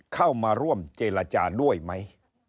เข้ามาร่วมเจรจาด้วยไหม